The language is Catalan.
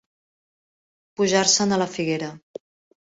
Pujar-se'n a la figuera.